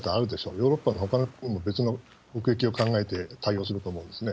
ヨーロッパやほかの国も、別の国益を考えて対応すると思うんですね。